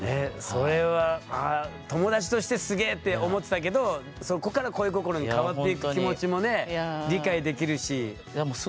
それは友達としてすげえって思ってたけどそこから恋心に変わっていく気持ちもね理解できるし。